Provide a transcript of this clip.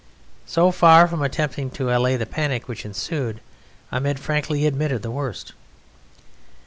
So far from attempting to allay the panic which ensued, Ahmed frankly admitted the worst.